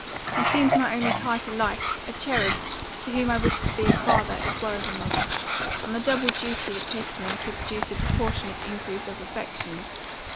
You seemed my only tie to life, a cherub, to whom I wished to be a father, as well as a mother; and the double duty appeared to me to produce a proportionate increase of affection.